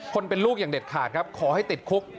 คนเป็นลูกอย่างเด็ดขาดครับขอให้ติดคุก